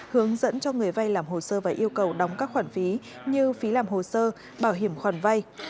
hướng dẫn cho người vay làm hồ sơ và yêu cầu đóng các khoản phí như phí làm hồ sơ bảo hiểm khoản vay